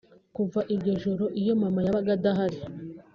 Kuva iryo ijoro iyo mama yabaga adahari